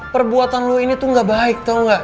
perbuatan lo ini tuh gak baik tau gak